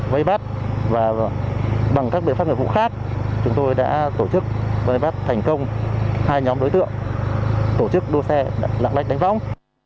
và bằng các biện pháp nghiệp vụ khác chúng tôi đã tổ chức thành công hai nhóm đối tượng tổ chức đua xe lạng lách đánh vóng